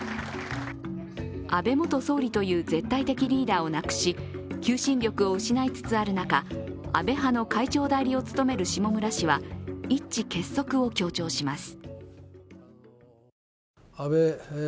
安倍元総理という絶対的リーダーをなくし求心力を失いつつある中、安倍派の会長代理を務める下村氏は一致結束を強調します。